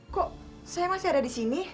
kok saya masih ada di sini